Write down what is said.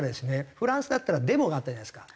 フランスだったらデモがあったじゃないですか。